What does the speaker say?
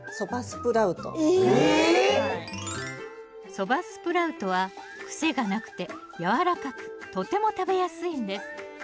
ソバスプラウトは癖がなくてやわらかくとても食べやすいんです。